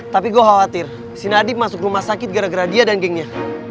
tapi gue khawatir si nadiem masuk rumah sakit gara gara dia dan gengnya